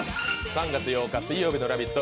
３月８日水曜日の「ラヴィット！」